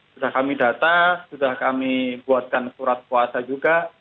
sudah kami data sudah kami buatkan surat puasa juga